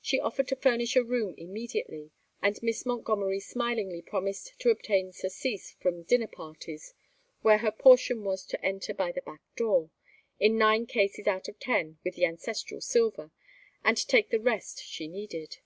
She offered to furnish a room immediately, and Miss Montgomery smilingly promised to obtain surcease from dinner parties, where her portion was to enter by the back door in nine cases out of ten with the ancestral silver and take the rest she needed.